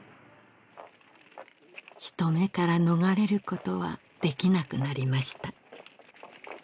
人目から逃れることはできなくなりました